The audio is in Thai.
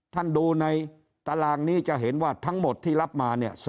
ท่านดูในตารางนี้จะเห็นว่าทั้งหมดที่รับมาเนี่ย